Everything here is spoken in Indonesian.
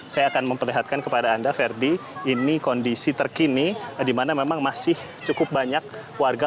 saya akan memperlihatkan kepada anda verdi ini kondisi terkini di mana memang masih cukup banyak warga